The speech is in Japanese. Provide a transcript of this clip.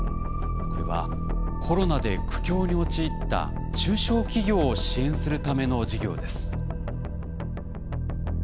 これはコロナで苦境に陥った中小企業を支援するための事業です。